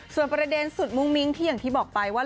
ส่วนประเด็นสุดมุ้งมิ้งที่อย่างที่บอกไปว่า